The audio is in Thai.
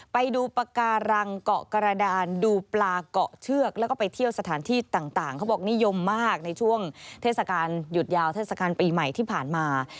ไปดูปากการังเกาะกระดานดูปลาเกาะเชือกแล้วก็ไปเที่ยวสถานที่ต่างเขาบอกนิยมมากในช่วงเทศกาลหยุดยาวเทศกาลปีใหม่ที่ผ่านมา